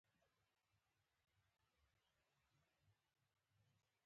ملک صاحب نن بیا ډېر کارته پورته کېږي.